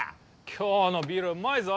今日のビールはうまいぞ・